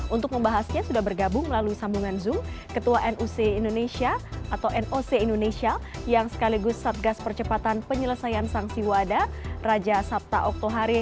untuk membahasnya sudah bergabung melalui sambungan zoom ketua nuc indonesia atau noc indonesia yang sekaligus satgas percepatan penyelesaian sanksi wada raja sabta oktohari